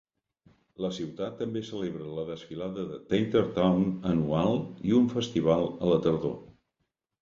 La ciutat també celebra la Desfilada de Tater Town anual i un festival a la tardor.